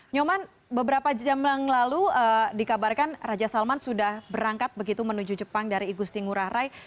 nyoman beberapa jam yang lalu dikabarkan raja salman sudah berangkat begitu menuju jepang dari igusti ngurah rai